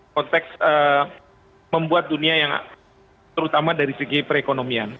konteks membuat dunia yang terutama dari segi perekonomian